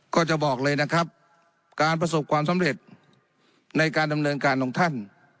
ก็จะบอกเลยนะครับการประสบความสำเร็จในการดำเนินการของท่าน